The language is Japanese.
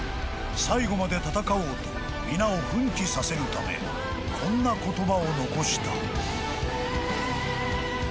最後まで戦おうと皆を奮起させるためこんな言葉を残した］